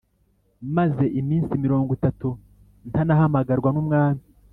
maze iminsi mirongo itatu ntanahamagarwa n’umwami.»